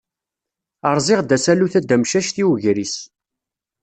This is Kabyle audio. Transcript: Rẓiɣ-d asalu tadamcact i wegris.